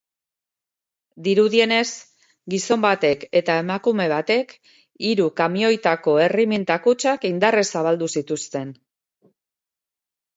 Dirudienez, gizon batek eta emakume batek hiru kamioitako erreminta-kutxak indarrez zabaldu zituzten.